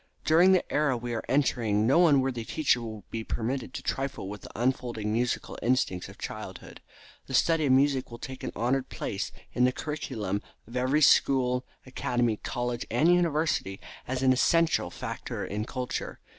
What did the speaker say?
During the era we are entering no unworthy teacher will be permitted to trifle with the unfolding musical instincts of childhood. The study of music will take an honored place in the curriculum of every school, academy, college and university, as an essential factor in culture.